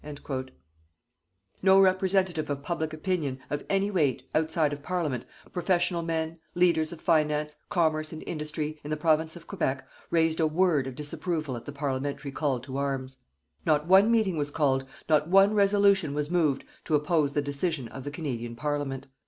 _" No representative of public opinion, of any weight, outside of Parliament, professional men, leaders of finance, commerce and industry, in the Province of Quebec, raised a word of disapproval at the Parliamentary call to arms. Not one meeting was called, not one resolution was moved, to oppose the decision of the Canadian Parliament.